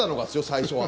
最初は。